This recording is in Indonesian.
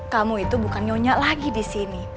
kamu itu bukan nyonya lagi disini